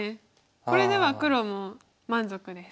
これでは黒も満足です。